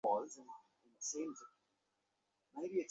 কিন্তু শৈলর পক্ষে এ-সব কথা বোঝা শক্ত।